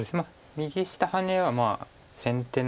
右下ハネは先手なので。